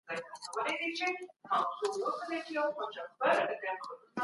ښه ذهنیت ډار نه جوړوي.